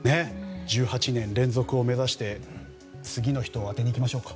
１８年連続を目指して次の人を当てに行きましょうか。